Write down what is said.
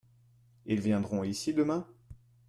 Ils viendront ici demain ?